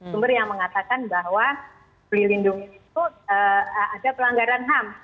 sumber yang mengatakan bahwa beli lindungi itu ada pelanggaran ham